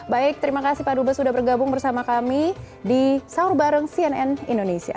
baik terima kasih pak dubes sudah bergabung bersama kami di sahur bareng cnn indonesia